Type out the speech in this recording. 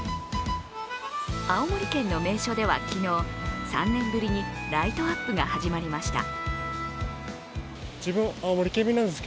青森県の名所では昨日３年ぶりにライトアップが始まりました。